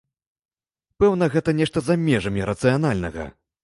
Пэўна, гэта нешта за межамі рацыянальнага.